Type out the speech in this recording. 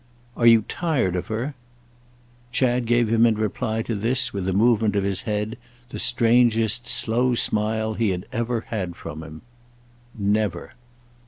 "Are you tired of her?" Chad gave him in reply to this, with a movement of the head, the strangest slow smile he had ever had from him. "Never."